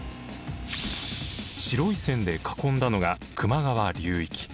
白い線で囲んだのが球磨川流域。